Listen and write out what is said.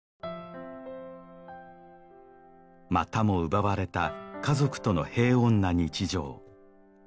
またも奪われた家族との平穏な日常